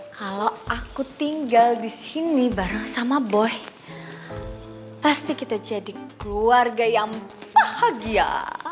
kalau aku tinggal di sini bareng sama boy pasti kita jadi keluarga yang bahagia